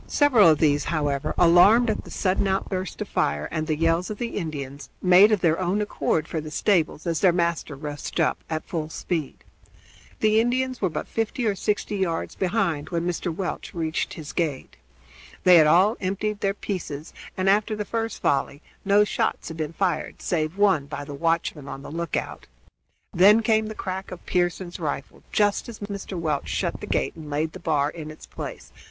Several of these, however, alarmed at the sudden outburst of fire and the yells of the Indians, made of their own accord for the stables as their master rushed up at full speed. The Indians were but fifty or sixty yards behind when Mr. Welch reached his gate. They had all emptied their pieces, and after the first volley no shots had been fired save one by the watchman on the lookout. Then came the crack of Pearson's rifle just as Mr. Welch shut the gate and laid the bar in its place.